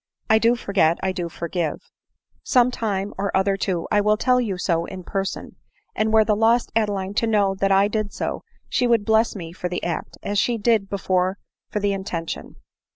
I do forget— I do forgive ; some time or other* too, 1 will tell you so in person ; and were the lost Adeline to know that I did so, she would bless me for the act, as she did before for the intention.